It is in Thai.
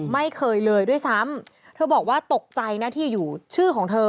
ไม่เคยเลยด้วยซ้ำเธอบอกว่าตกใจนะที่อยู่ชื่อของเธอ